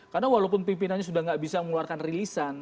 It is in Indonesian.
karena walaupun pimpinannya sudah tidak bisa mengeluarkan rilisan